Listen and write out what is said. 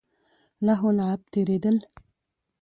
لهو لعب تېرېدل.